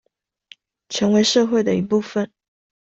成為社會的一部分